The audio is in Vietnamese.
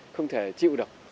không thể chịu được